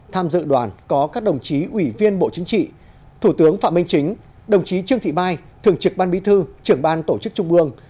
tham dự đoàn có các đồng chí ủy viên bộ chính trị thủ tướng phạm minh chính đồng chí trương thị mai thường trực ban bí thư trưởng ban tổ chức trung ương